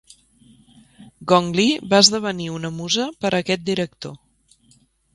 Gong Li va esdevenir una musa per aquest director.